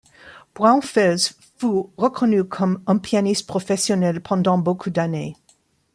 Braunfels fut reconnu comme un pianiste professionnel pendant beaucoup d'années.